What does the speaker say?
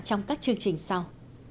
trong các chương trình sau